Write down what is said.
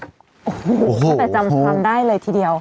โอ้โหโอ้โหโอ้โหโอ้โหก็แต่จำทำได้เลยทีเดียว